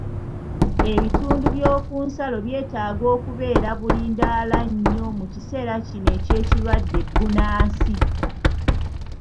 Ebitundu by'oku nsalo byetaaga okubeera bulindaala nnyo mu kiseera kino eky'ekirwadde bbunansi.